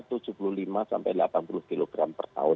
itu sekitar tujuh puluh lima sampai delapan puluh kg per tahun